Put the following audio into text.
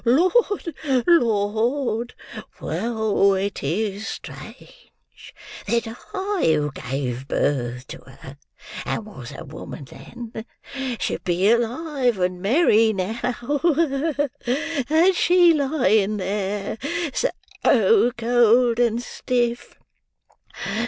"Lord, Lord! Well, it is strange that I who gave birth to her, and was a woman then, should be alive and merry now, and she lying there: so cold and stiff!